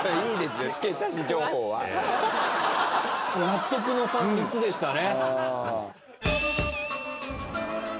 納得の３つでしたね。